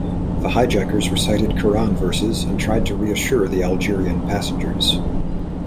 The hijackers recited Quran verses and tried to reassure the Algerian passengers.